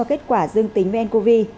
kết quả dương tính với ncov